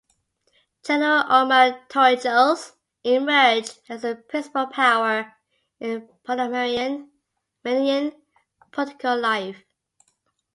General Omar Torrijos, emerged as the principal power in Panamanian political life.